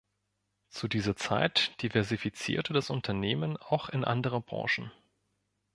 Zu dieser Zeit diversifizierte das Unternehmen auch in andere Branchen.